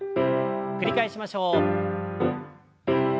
繰り返しましょう。